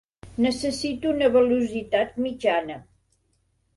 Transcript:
Necessito una velocitat mitjana.